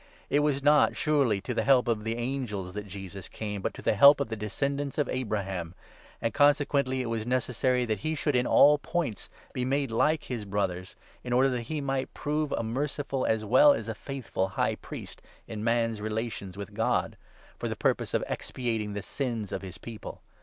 It 16 was not, surely, to the help of the angels that Jesus came, but 'to the help of the descendants of Abraham.' And 17 consequently it was necessary that he should in all points be made like ' his Brothers,' in order that he might prove a merciful as well as a faithful High Priest in man's relations with God, for the purpose of expiating the sins of his People.